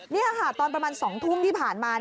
นี่ค่ะตอนประมาณ๒ทุ่มที่ผ่านมา